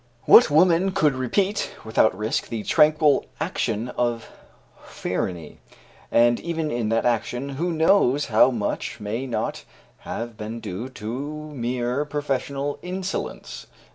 What woman could repeat, without risk, the tranquil action of Phryne? And even in that action, who knows how much may not have been due to mere professional insolence!"